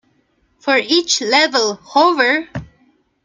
For each level, Hover!